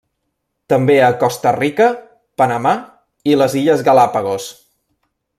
També a Costa Rica, Panamà i les Illes Galápagos.